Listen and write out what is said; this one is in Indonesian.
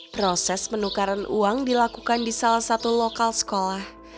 proses penukaran uang dilakukan di salah satu lokal sekolah